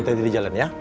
kita tidur di jalan ya